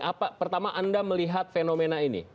apa pertama anda melihat fenomena ini